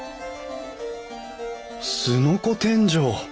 すのこ天井！